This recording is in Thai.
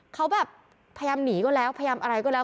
เขาแบบพยายามหนีก็แล้วพยายามอะไรก็แล้ว